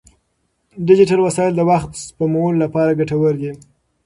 ډیجیټل وسایل د وخت سپمولو لپاره ګټور دي.